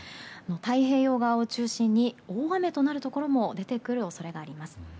太平洋側を中心に大雨となるところも出てくる恐れがあります。